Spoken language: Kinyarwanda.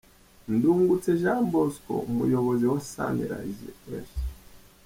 Ndungutse Jean Bosco, umuyobozi wa Sunrise F.